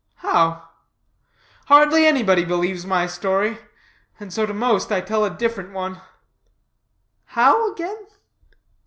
"How?" "Hardly anybody believes my story, and so to most I tell a different one." "How, again?"